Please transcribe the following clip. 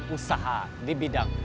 usaha di bidang